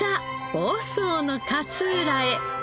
房総の勝浦へ。